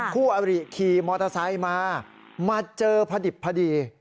คู่อริขี่มอเตอร์ไซค์มามาเจอพอดิบพอดี